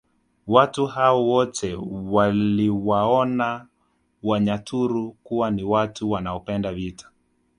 Watu hao wote waliwaona Wanyaturu kuwa ni watu wanaopenda vita